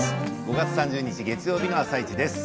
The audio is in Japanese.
５月３０日月曜日の「あさイチ」です。